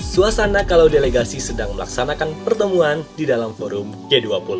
suasana kalau delegasi sedang melaksanakan pertemuan di dalam forum g dua puluh